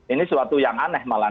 ini suatu yang aneh malah